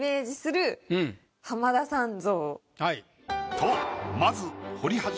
とまず。